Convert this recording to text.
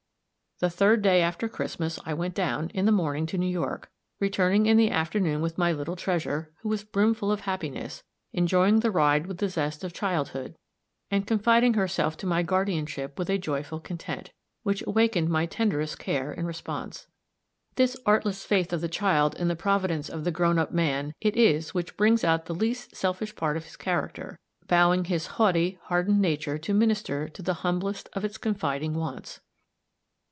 The third day after Christmas I went down, in the morning, to New York, returning in the afternoon with my little treasure, who was brimful of happiness, enjoying the ride with the zest of childhood, and confiding herself to my guardianship with a joyful content, which awakened my tenderest care in response. This artless faith of the child in the providence of the grown up man it is which brings out the least selfish part of his character, bowing his haughty, hardened nature to minister to the humblest of its confiding wants.